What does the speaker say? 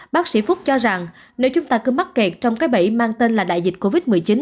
bác sĩ phúc cho rằng nếu chúng ta cứ mắc kẹt trong cái bẫy mang tên là đại dịch covid một mươi chín